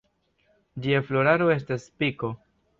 Ĝia floraro estas spiko.